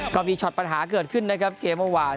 ก็มีช็อตปัญหาเกิดขึ้นนะครับเกมเมื่อวาน